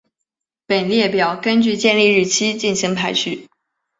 本列表根据建立日期进行排序。